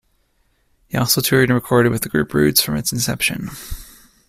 He also toured and recorded with the group Roots from its inception.